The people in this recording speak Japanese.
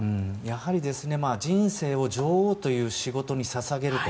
やはり人生を女王という仕事に捧げる。